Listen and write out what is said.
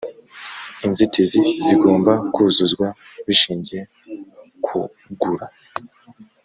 inzitizi zigomba kuzuzwa bishingiye k ugura